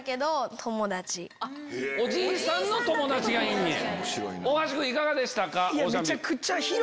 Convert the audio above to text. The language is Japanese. おじいさんの友達がいんねや。